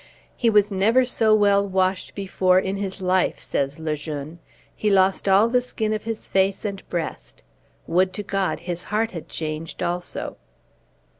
"He was never so well washed before in his life," says Le Jeune; "he lost all the skin of his face and breast. Would to God his heart had changed also!"